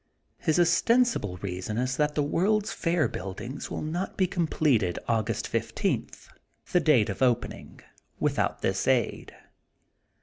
His ostensible reason is that the World 's Fair buildings wiU not be completed August 15, the date of opening, without this aid.